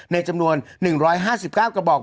ในจำนวน๑๕๙กระบอก